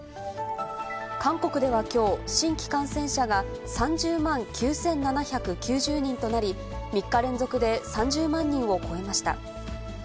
韓国ではきょう、新規感染者が３０万９７９０人となり、３日連続で３０万人を超えました。